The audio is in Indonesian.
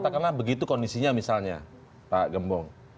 katakanlah begitu kondisinya misalnya pak gembong